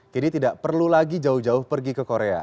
jadi tidak perlu lagi jauh jauh pergi ke korea